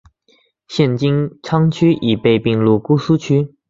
现金阊区已被并入姑苏区。